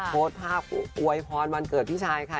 โพสต์ภาพอวยพรวันเกิดพี่ชายค่ะ